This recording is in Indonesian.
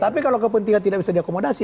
tapi kalau kepentingan tidak bisa diakomodasi